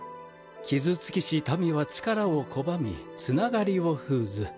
「傷つきし民は力を拒みつながりを封ず。